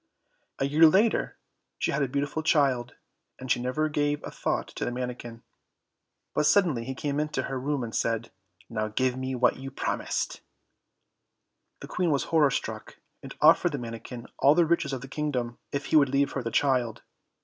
A year after, she had a beautiful child, and she never gave a thought to the manikin. But suddenly he came into her room, and said, "Now give me what you promised." The Queen was horror struck, and offered the manikin all the riches of the kingdom if he would leave her the child.